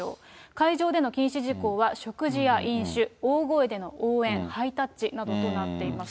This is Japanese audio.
会場での禁止事項は食事や飲酒、大声での応援、ハイタッチなどとなっています。